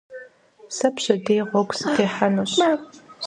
Сэ пщэдей гъуэгу сытехьэнущ.